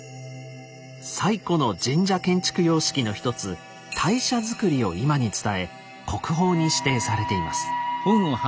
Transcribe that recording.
最古の神社建築様式の一つ「大社造」を今に伝え国宝に指定されています。